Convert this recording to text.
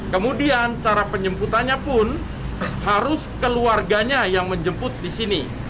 kemudian cara penjemputannya pun harus keluarganya yang menjemput di sini